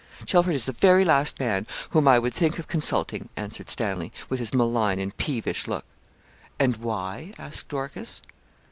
'Chelford is the very last man whom I would think of consulting,' answered Stanley, with his malign and peevish look. 'And why?' asked Dorcas.